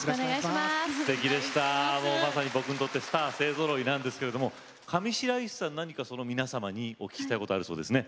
もうまさに僕にとってスター勢ぞろいなんですけれども上白石さん何か皆様にお聞きしたいことあるそうですね。